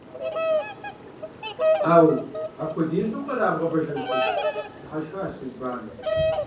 – Ӏэу! Апхуэдизу укъэрабгъэ, Бажэжь цӀыкӀу, – дыхьэшхащ Цыжьбанэр.